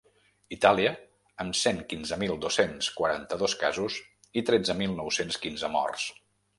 Itàlia, amb cent quinze mil dos-cents quaranta-dos casos i tretze mil nou-cents quinze morts.